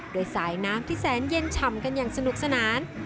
โดยสายน้ำที่แสนเย็นฉ่ำกันอย่างสนุกสนาน